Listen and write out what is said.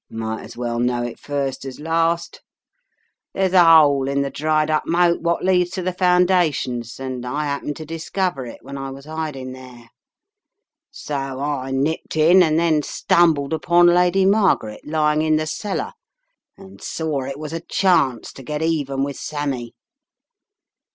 "Might as well know it first as last. There's a hole in the dried up moat what leads to the foundations and I happened to discover it when I was hiding there. So I nipped in and then stumbled upon Lady Margaret, lying in the cellar, and saw it was a chance to get even with Sammy.